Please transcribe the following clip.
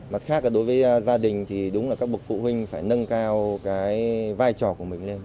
mặt khác đối với gia đình thì đúng là các bậc phụ huynh phải nâng cao cái vai trò của mình lên